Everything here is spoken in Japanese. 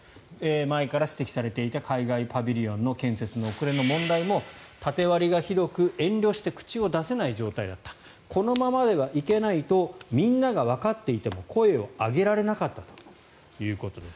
前から指摘されていた海外パビリオンの建設の遅れの問題も縦割りがひどく遠慮して口が出せない状態だったこのままではいけないとみんながわかっていても声を上げられなかったということです。